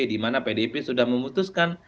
dimana pdp sudah memutuskan